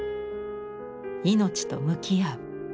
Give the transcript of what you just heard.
命と向き合う。